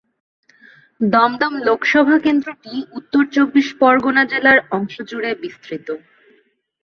দমদম লোকসভা কেন্দ্রটি উত্তর চব্বিশ পরগনা জেলার অংশ জুড়ে বিস্তৃত।